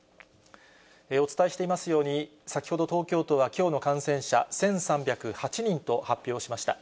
お伝えしていますように、先ほど東京都は、きょうの感染者、１３０８人と発表しました。